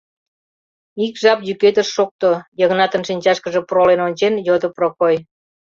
— Ик жап йӱкет ыш шокто, — Йыгнатын шинчашкыже пролен ончен йодо Прокой.